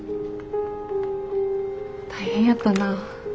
大変やったな。